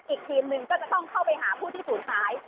อีกทีมหนึ่งก็จะต้องเข้าไปหาผู้ที่ศูนย์หาย